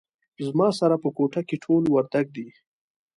زما سره په کوټه کې ټول وردګ دي